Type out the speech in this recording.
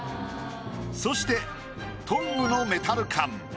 そしてトングのメタル感。